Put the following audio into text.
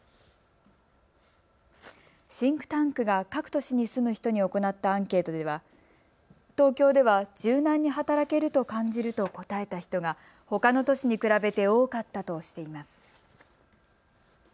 シンクタンクが各都市に住む人に行ったアンケートでは東京では柔軟に働けると感じると答えた人がほかの都市に比べて多かったとしています。